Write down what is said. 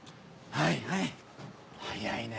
はいはい速いね。